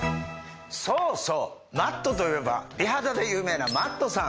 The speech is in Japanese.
そうそうマットといえば美肌で有名なＭａｔｔさん。